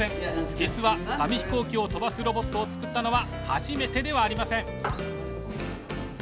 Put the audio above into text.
実は紙飛行機を飛ばすロボットを作ったのは初めてではありません。